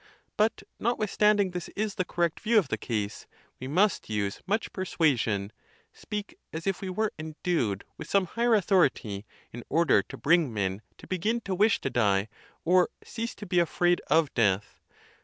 But, notwith standing this is the correct view of the case, we must use much persuasion, speak as if we were endued with some higher authority,.in order to bring men to begin to wish to die, or cease to be afraid of death.